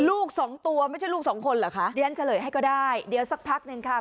ลูกสองตัวไม่ใช่ลูกสองคนเหรอคะเดี๋ยวฉันเฉลยให้ก็ได้เดี๋ยวสักพักหนึ่งค่ะ